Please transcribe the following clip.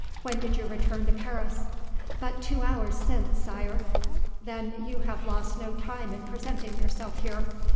When did you return to Paris?" "But two hours since, Sire." "Then you have lost no time in presenting yourself here.